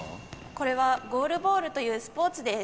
これはゴールボールというスポーツです。